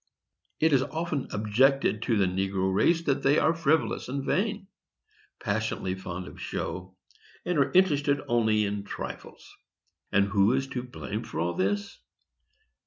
It is often objected to the negro race that they are frivolous and vain, passionately fond of show, and are interested only in trifles. And who is to blame for all this?